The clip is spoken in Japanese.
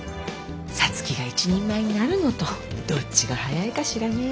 皐月が一人前になるのとどっちが早いかしらね。